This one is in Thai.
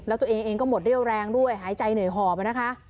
แล้วตัวเองเองก็หมดเรี่ยวแรงด้วยหายใจเหนื่อยหอบนะคะ